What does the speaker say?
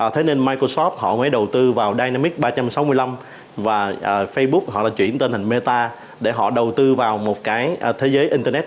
thế nên microsoft họ mới đầu tư vào dynamic ba trăm sáu mươi năm và facebook họ đã chuyển tên thành meta để họ đầu tư vào một cái thế giới internet ba d